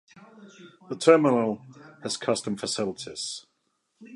The terminal has Customs facilities.